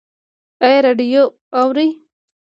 ایا راډیو اورئ؟